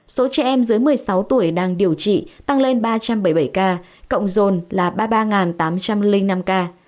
số trẻ em dưới một mươi sáu tuổi đang điều trị tăng lên ba trăm bảy mươi bảy ca cộng dồn là ba mươi ba tám trăm linh năm ca